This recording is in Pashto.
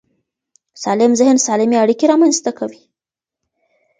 سالم ذهن سالمې اړیکې رامنځته کوي.